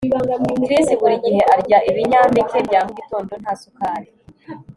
Chris buri gihe arya ibinyampeke bya mugitondo nta sukari